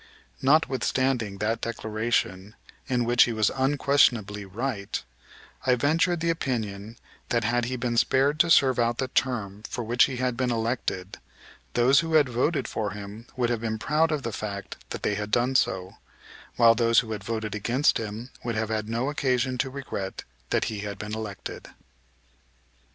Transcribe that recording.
Notwithstanding that declaration, in which he was unquestionably right, I ventured the opinion that, had he been spared to serve out the term for which he had been elected, those who had voted for him would have been proud of the fact that they had done so, while those who had voted against him would have had no occasion to regret that he had been elected.